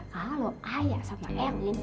kalau ayah sama erwin